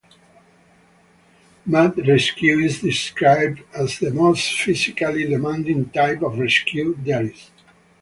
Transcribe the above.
Mud rescue is described as the most physically demanding type of rescue there is.